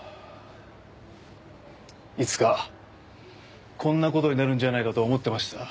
いつかこんな事になるんじゃないかと思ってました。